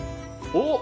おっ。